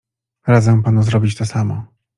Radzę panu zrobić to samo.